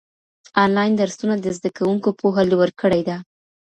انلاين درسونه د زده کوونکو پوهه لوړ کړي ده.